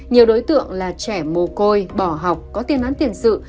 nhiều đối tượng là trẻ mồ côi bỏ học có tiền án tiền sự